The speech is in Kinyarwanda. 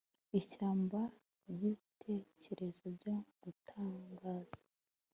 ishyamba ryibitekerezo byo gutangaza